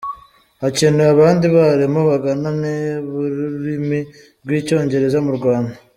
Hakenewe abandi barimu Magana ane b’ururimi rw’Icyongereza mu Rwanda